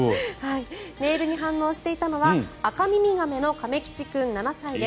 ネイルに反応していたのはアカミミガメのかめ吉君、７歳です。